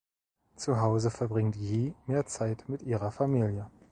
Zuhause verbringt Yi mehr Zeit mit ihrer Familie.